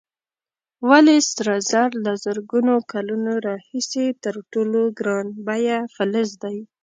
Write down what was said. ولې سره زر له زرګونو کلونو راهیسې تر ټولو ګران بیه فلز دی؟